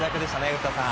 古田さん。